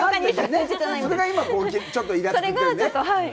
それが今、ちょっとイラつくんだよね。